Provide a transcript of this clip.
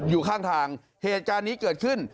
อยู่ข้างทางเหตุการณ์นี้เกิดขึ้น